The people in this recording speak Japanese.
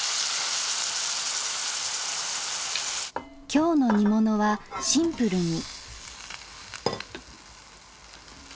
今日の煮物はシンプルに。